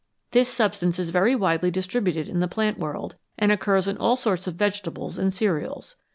This substance is very widely distributed in the plant world, and occurs in all sorts of vegetables and cereals.